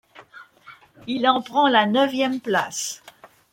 Il en prend la neuvième place.